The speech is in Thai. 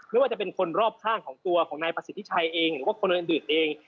ไม่ว่าจะเป็นคนรอบข้างของตัวของนายประสิทธิชัยเองหรือว่าคนอื่นเอง